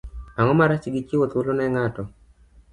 Ang'o marach gi chiwo thuolo ne ng'ato?